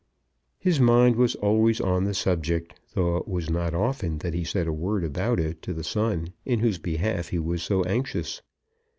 His mind was always on the subject, though it was not often that he said a word about it to the son in whose behalf he was so anxious.